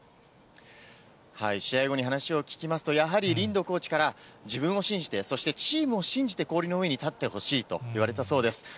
試合後に話を聞きますと、やはりコーチから、自分を信じて、そしてチームを信じて氷の上に立ってほしいと言われたそうです。